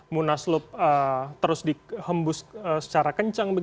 munaslup terus dihembus secara kencang